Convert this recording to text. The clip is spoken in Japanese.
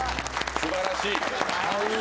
素晴らしい。